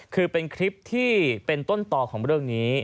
คือเป็นคลิปที่เป็นต้นต่อของเรื่องนี้